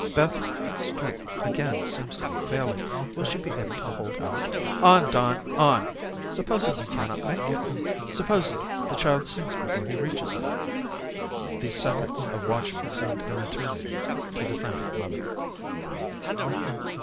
Beth's strength again seems to be failing. Will she be able to hold out? On, Don, on. Supposing he cannot make it. Supposing the child sinks before he reaches her?" These seconds of watching seemed an eternity to the frantic mother.